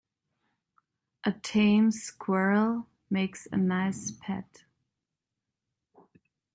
A tame squirrel makes a nice pet.